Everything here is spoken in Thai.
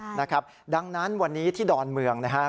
นะครับดังนั้นวันนี้ที่ดอนเมืองนะฮะ